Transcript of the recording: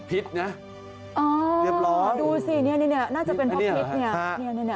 พิษนะเดี๋ยวร้องดูสินี่น่าจะเป็นเพราะพิษ